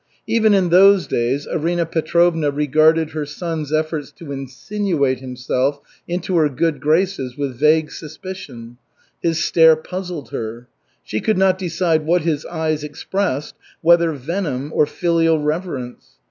Even in those days Arina Petrovna regarded her son's efforts to insinuate himself into her good graces with vague suspicion. His stare puzzled her. She could not decide what his eyes expressed, whether venom or filial reverence.